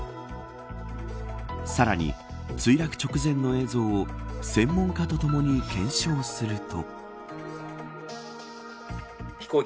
さらに墜落直前の映像を専門家とともに検証すると。